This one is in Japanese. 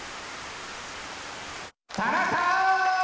「田中！」。